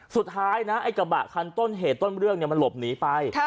สุดท้ายนะไอ้กระบะคันต้นเหตุต้นเรื่องมันหลบหนีไป